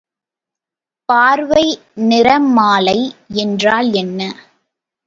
பார்வை நிறமாலை என்றால் என்ன?